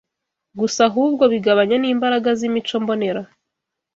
gusa ahubwo bigabanya n’imbaraga z’imico mbonera.